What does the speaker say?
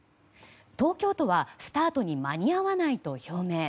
東京都はスタートに間に合わないと表明。